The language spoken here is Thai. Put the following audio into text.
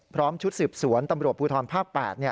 ชุดสืบสวนตำรวจภูทรภาค๘